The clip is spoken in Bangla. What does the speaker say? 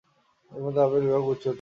এর মধ্যে আপীল বিভাগ উচ্চতম।